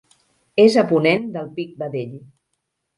És a ponent del Pic Vedell.